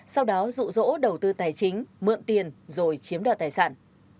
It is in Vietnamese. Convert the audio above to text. sau đó rụ rỗ đầu tư tài chính mượn tiền rồi chiếm đoạt tài sản